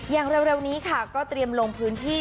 อย่างเร็วนี้ค่ะก็เตรียมลงพื้นที่